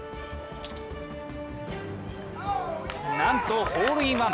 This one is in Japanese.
なんとホールインワン。